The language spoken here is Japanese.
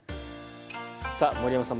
さあ盛山さん